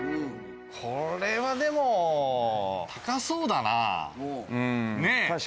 これはでも、高そうだな。